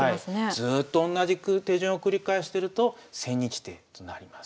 ずっと同じ手順を繰り返してると千日手となります。